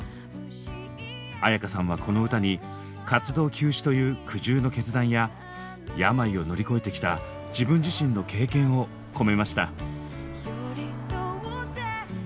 絢香さんはこの歌に活動休止という苦渋の決断や病を乗り越えてきた自分自身の経験を込めました。